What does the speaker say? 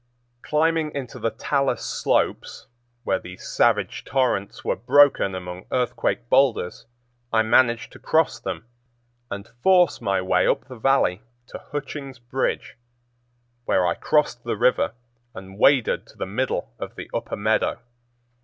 Climbing into the talus slopes, where these savage torrents were broken among earthquake boulders, I managed to cross them, and force my way up the Valley to Hutchings' Bridge, where I crossed the river and waded to the middle of the upper meadow.